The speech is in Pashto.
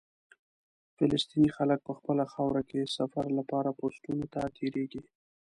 فلسطیني خلک په خپله خاوره کې سفر لپاره پوسټونو ته تېرېږي.